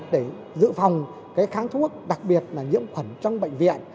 để giữ phòng kháng thuốc đặc biệt là nhiễm khuẩn trong bệnh viện